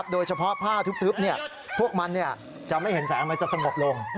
โดยเฉพาะผ้าทึบพวกมันจะไม่เห็นแสงมันจะสงบลง